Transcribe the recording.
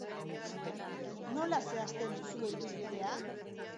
Nola zehazten duzue ibilbidea?